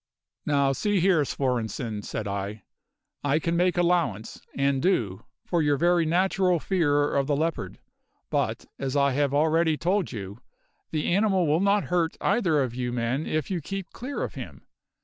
"Now, see here, Svorenssen," said I. "I can make allowance and do for your very natural fear of the leopard; but, as I have already told you, the animal will not hurt either of you men if you keep clear of him.